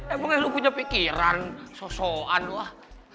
emangnya lu punya pikiran sosok anuah